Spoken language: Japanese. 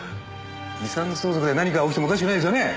遺産相続で何かが起きてもおかしくないですよねえ？